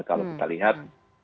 kalau kita lihat